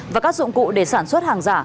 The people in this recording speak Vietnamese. và các dụng cụ để sản xuất hàng giả